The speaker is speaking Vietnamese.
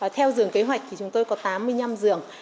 theo dường kế hoạch thì chúng tôi có tám mươi năm giường